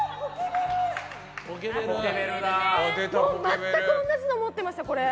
全く同じの持ってましたこれ。